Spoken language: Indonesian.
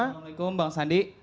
assalamu'alaikum bang sandi